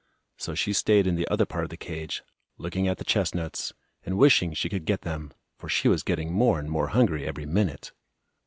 So she stayed in the other part of the cage, looking at the chestnuts, and wishing she could get them, for she was getting more and more hungry every minute.